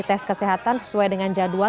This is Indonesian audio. tes kesehatan sesuai dengan jadwal